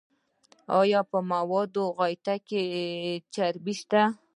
ایا په موادو غایطه کې چربی شته؟